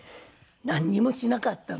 なんにもしなかったの。